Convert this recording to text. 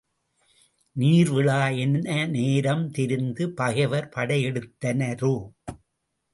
நீர்விழா என நேரம் தெரிந்து பகைவர் படையெடுத்தனரோ?